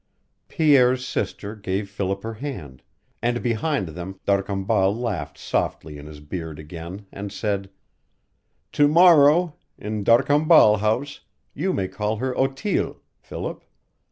Pierre's sister gave Philip her hand, and behind them D'Arcambal laughed softly in his beard again, and said: "To morrow, in D'Arcambal House, you may call her Otille, Philip.